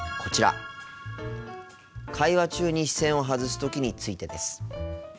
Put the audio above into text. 会話中に視線を外すときについてです。